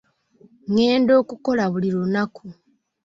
Ngenda okukola buli lunaku.